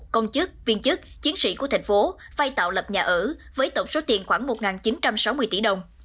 công chức viên chức chiến sĩ của thành phố vay tạo lập nhà ở với tổng số tiền khoảng một chín trăm sáu mươi tỷ đồng